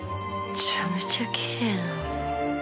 めちゃめちゃきれい。